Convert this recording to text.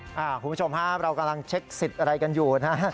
คุณผู้ชมฮะเรากำลังเช็คสิทธิ์อะไรกันอยู่นะฮะ